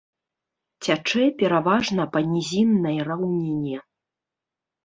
Цячэ пераважна па нізіннай раўніне.